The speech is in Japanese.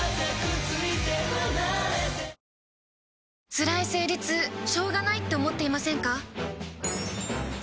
つらい生理痛しょうがないって思っていませんか？